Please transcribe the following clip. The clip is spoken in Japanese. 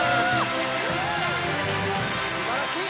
すばらしい！